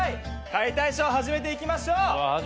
解体ショー始めていきましょう。